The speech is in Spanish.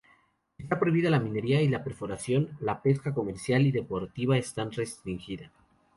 Está prohibida la minería y la perforación; la pesca comercial y deportiva están restringida.